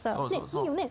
いいよね？